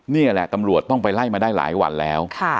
นี่แหละตำรวจต้องไปไล่มาได้หลายวันแล้ว